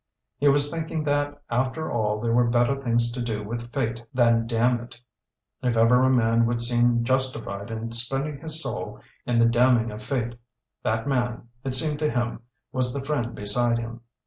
He was thinking that after all there were better things to do with fate than damn it. If ever a man would seem justified in spending his soul in the damning of fate, that man, it seemed to him, was the friend beside him.